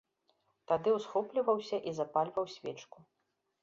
Тады ўсхопліваўся і запальваў свечку.